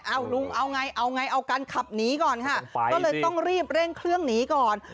เอาลุงเอาไงเอาไงเอากันขับหนีก่อนค่ะก็เลยต้องรีบเร่งเครื่องหนีก่อน